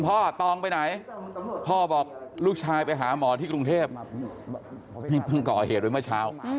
ตองไปไหนพ่อบอกลูกชายไปหาหมอที่กรุงเทพนี่เพิ่งก่อเหตุไว้เมื่อเช้า